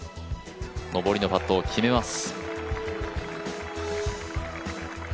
上りのパットを決めます。